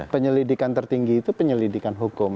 penyelidikan tertinggi itu penyelidikan hukum